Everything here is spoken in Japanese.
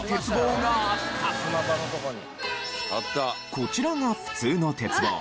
こちらが普通の鉄棒。